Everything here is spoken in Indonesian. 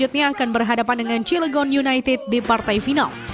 selanjutnya akan berhadapan dengan cilegon united di partai final